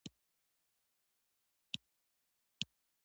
ځغاسته د ورزش یو آسانه ډول دی